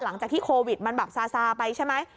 หลังจากที่โควิดมันแบบซาซาไปใช่ไหม